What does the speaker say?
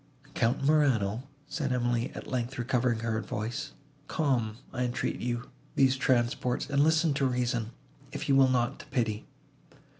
"Count Morano," said Emily, at length recovering her voice, "calm, I entreat you, these transports, and listen to reason, if you will not to pity.